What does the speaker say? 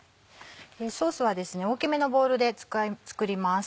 ソースは大きめのボウルで作ります。